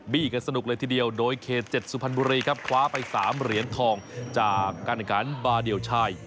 กันสนุกเลยทีเดียวโดยเขต๗สุพรรณบุรีครับคว้าไป๓เหรียญทองจากการแข่งขันบาเดี่ยวชาย